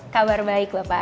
kabar baik bapak